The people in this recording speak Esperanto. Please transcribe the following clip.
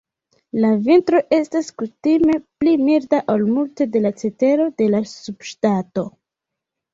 La vintro estas kutime pli milda ol multe de la cetero de la subŝtato.